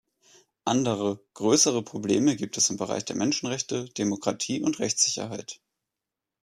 Andere, größere Probleme gibt es im Bereich der Menschenrechte, Demokratie und Rechtssicherheit.